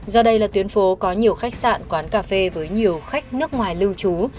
do đây là tuyến phố có nhiều khách sạn quán cà phê với nhiều khách nước ngoài lưu trú